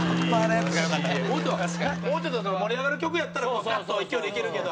もうちょっと盛り上がる曲やったらガッと勢いでいけるけど。